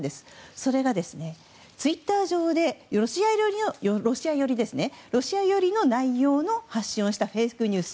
それがツイッター上でロシア寄りの内容の発信をしたフェイクニュース